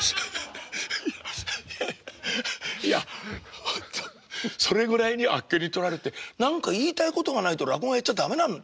いやほんとそれぐらいにあっけにとられて何か言いたいことがないと落語はやっちゃ駄目なんですか？